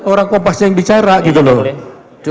orang kompas yang bicara gitu loh